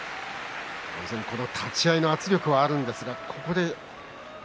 立ち合いの圧力もあるんですが。